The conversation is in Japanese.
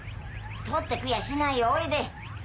とって食いやしないよおいで。